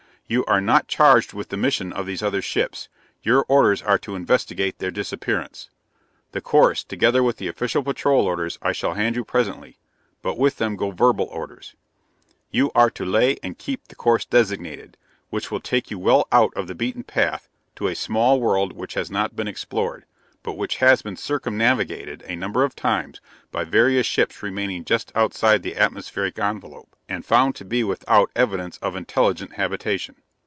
"You are not charged with the mission of these other ships; your orders are to investigate their disappearance. The course, together with the official patrol orders, I shall hand you presently, but with them go verbal orders. "You are to lay and keep the course designated, which will take you well out of the beaten path to a small world which has not been explored, but which has been circumnavigated a number of times by various ships remaining just outside the atmospheric envelope, and found to be without evidence of intelligent habitation.